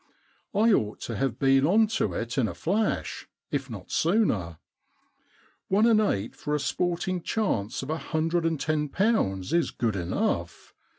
I ought to have been on to it in a flash, if not sooner. One and eight for a sporting chance of a hundred and ten pounds is good enough.